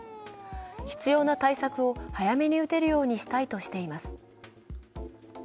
必要な対策を早めに打てるようにしたいとしています。